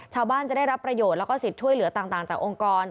จะได้รับประโยชน์แล้วก็สิทธิ์ช่วยเหลือต่างจากองค์กร